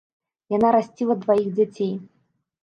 Яна расціла дваіх дзяцей.